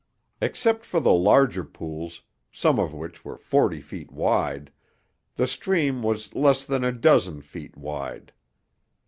Except for the larger pools, some of which were forty feet wide, the stream was less than a dozen feet wide.